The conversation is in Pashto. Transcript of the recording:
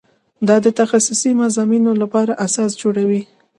دا د تخصصي مضامینو لپاره اساس جوړوي.